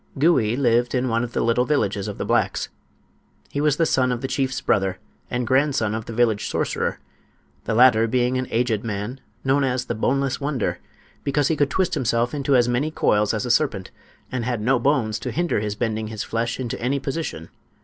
Gouie lived in one of the little villages of the blacks. He was the son of the chief's brother and grandson of the village sorcerer, the latter being an aged man known as the "the boneless wonder," because he could twist himself into as many coils as a serpent and had no bones to hinder his bending his flesh into any position.